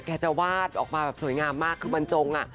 จะวาดออกมาแบบสวยงามมากคือบรรจง